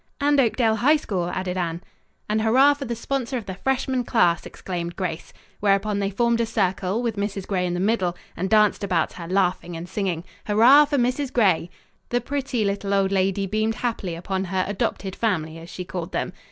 "And Oakdale High School!" added Anne. "And hurrah for the sponsor of the freshman class!" exclaimed Grace. Whereupon they formed a circle, with Mrs. Gray in the middle, and danced about her laughing and singing: "Hurrah for Mrs. Gray!" The pretty, little old lady beamed happily upon her adopted family, as she called them.